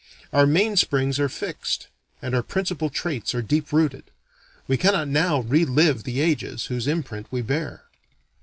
Our main springs are fixed, and our principal traits are deep rooted. We cannot now re live the ages whose imprint we bear.